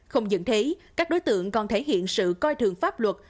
không những thế các đối tượng còn thể hiện sự coi thường pháp luật